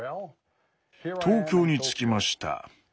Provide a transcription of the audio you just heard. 「東京に着きました。